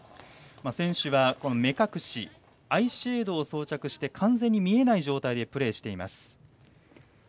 選手は、目隠しアイシェードを装着して完全に見えない状態でプレーしています。